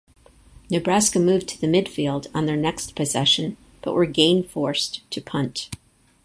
Nebraska moved to midfield on their next possession but were gain forced to punt.